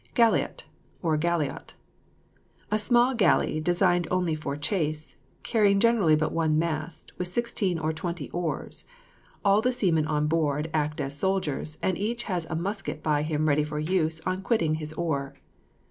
GALLEOT, OR GALLIOT. A small galley designed only for chase, generally carrying but one mast, with sixteen or twenty oars. All the seamen on board act as soldiers, and each has a musket by him ready for use on quitting his oar.